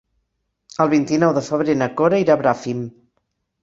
El vint-i-nou de febrer na Cora irà a Bràfim.